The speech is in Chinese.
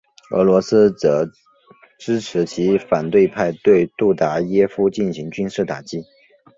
俄罗斯则支持其反对派对杜达耶夫进行军事打击。